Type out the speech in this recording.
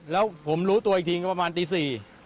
แล้วผมรู้ตัวอีกทีก็ประมาณตี๔